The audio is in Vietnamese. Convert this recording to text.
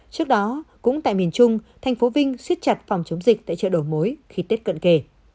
trước đó cũng tại miền trung tp vinh siết chặt phòng chống dịch tại chợ đồ mối khi tết cận kề